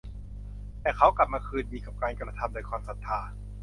แต่เขากลับมาคืนดีกับการกระทำโดยความศรัทธา